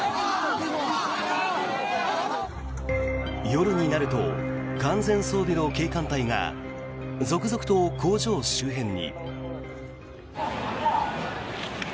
夜になると完全装備の警官隊が続々と工場周辺に。